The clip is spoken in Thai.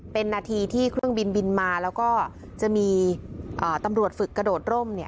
เป็นนาทีที่เครื่องบินบินมาแล้วก็จะมีตำรวจฝึกกระโดดร่ม